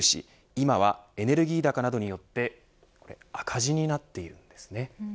今はエネルギー高などによって赤字になっているんです。